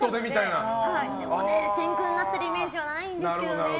でもね、天狗になってるイメージはないんですけどね。